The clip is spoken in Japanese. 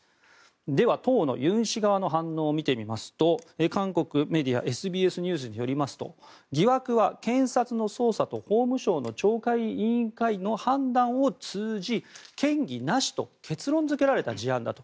では、当のユン氏側の反応を見てみますと韓国メディアＳＢＳニュースによりますと疑惑は検察の捜査と法務省の懲戒委員会の判断を通じ、嫌疑なしと結論付けられた事案だと。